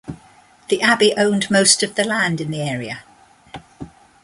The Abbey owned most of the land in the area.